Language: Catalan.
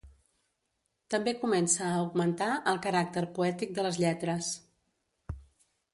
També comença a augmentar el caràcter poètic de les lletres.